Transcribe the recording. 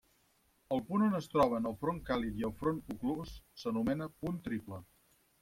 El punt on es troben el front càlid i el front oclús s'anomena punt triple.